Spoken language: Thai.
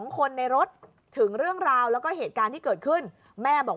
คนในรถถึงเรื่องราวแล้วก็เหตุการณ์ที่เกิดขึ้นแม่บอก